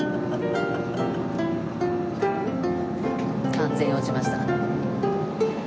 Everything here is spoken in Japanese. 完全落ちました。